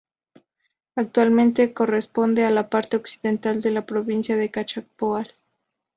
Actualmente corresponde a la parte occidental de la Provincia de Cachapoal.